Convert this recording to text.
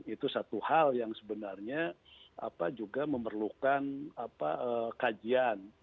itu satu hal yang sebenarnya juga memerlukan kajian